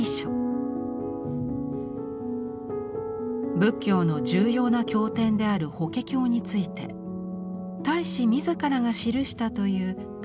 仏教の重要な経典である「法華経」について太子自らが記したという解説書です。